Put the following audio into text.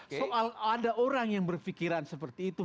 soal ada orang yang berpikiran seperti itu